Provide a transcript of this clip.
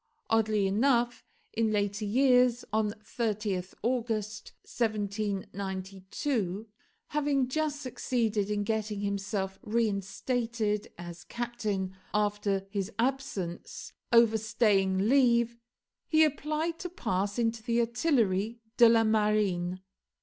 Oddly enough, in later years, on 30th August 1792, having just succeeded in getting himself reinstated as captain after his absence, overstaying leave, he applied to pass into the Artillerie de la Marine.